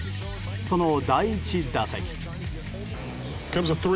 その第１打席。